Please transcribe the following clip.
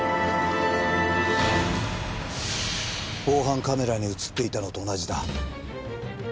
防犯カメラに映っていたのと同じだ。